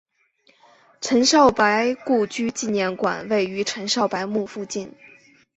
陈少白故居纪念馆位于陈少白墓附近。